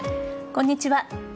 こんにちは。